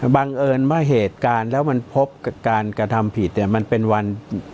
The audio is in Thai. บังเอิญว่าเหตุการณ์แล้วมันพบการกระทำผิดเนี่ยมันเป็นวัน